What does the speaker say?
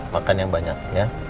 makan yang banyak ya